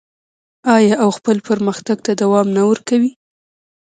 آیا او خپل پرمختګ ته دوام نه ورکوي؟